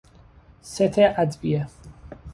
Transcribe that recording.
ست ادویه